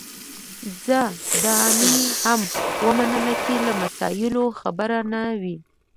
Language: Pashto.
ځه دا مي هم ومنله چي له مسایلو خبر نه وې